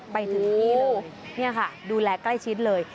ไปถึงนี่เลยนี่ค่ะดูแลใกล้ชิดเลย